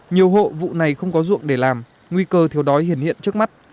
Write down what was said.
nhiều hộ vụ này không có ruộng để làm nguy cơ thiếu đói hiền hiện trước mắt